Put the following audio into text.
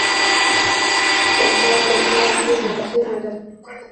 Aquí se encuentra el Embalse de La Serena, el mayor de España.